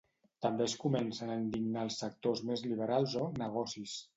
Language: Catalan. També es comencen a indignar els sectors més liberals o "negocis".